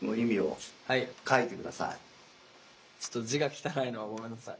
ちょっと字が汚いのはごめんなさい。